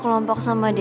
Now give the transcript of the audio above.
biar lo yakin sama gue